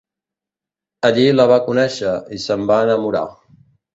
Allí la va conèixer i se'n va enamorar.